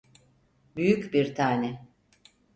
Büyük bir tane.